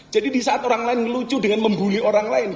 jadi di saat orang lain lucu dengan membully orang lain